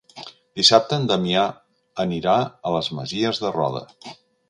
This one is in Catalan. Dissabte en Damià anirà a les Masies de Roda.